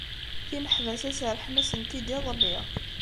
Timeḥbas-a serrḥen-asent-id iḍelli.